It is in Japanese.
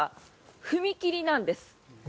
踏切なんです。